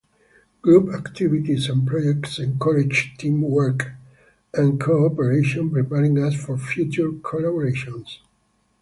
Group activities and projects encourage teamwork and cooperation, preparing us for future collaborations.